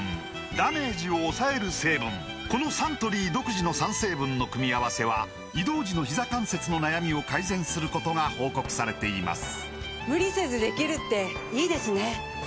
このサントリー独自の３成分の組み合わせは移動時のひざ関節の悩みを改善することが報告されています